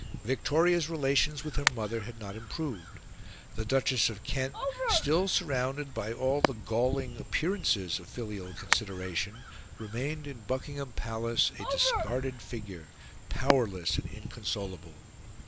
Victoria's relations with her mother had not improved. The Duchess of Kent, still surrounded by all the galling appearances of filial consideration, remained in Buckingham Palace a discarded figure, powerless and inconsolable.